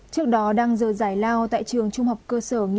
trước đó đang giờ giải lao tại trường trung học cơ sở nghĩa